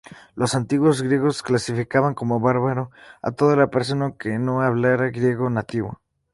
Los antiguos griegos calificaban como "bárbaro"- a toda persona que no hablara griego nativo.